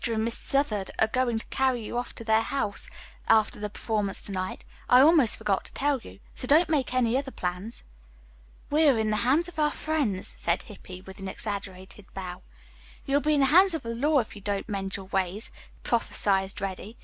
and Miss Southard are going to carry you off to their house after the performance to night. I almost forgot to tell you. So don't make any other plans." "We are in the hands of our friends," said Hippy, with an exaggerated bow. "You'll be in the hands of the law if you don't mend your ways," prophesied Reddy.